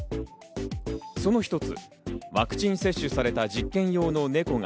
その一つ、ワクチン接種された実験用の猫が